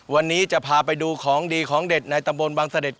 วันนี้จะพาไปดูของดีของเด็ดในตำบลบางเสด็จ